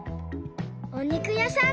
おにくやさん